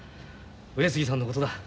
上杉さんのことだ